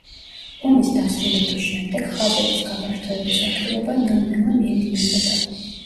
ომის დასრულების შემდეგ ხაზების გაფართოების აქტივობა ნელ-ნელა მიედინებოდა.